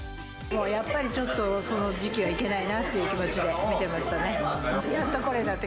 やっぱりちょっと、その時期は行けないなという気持ちで見てましたね。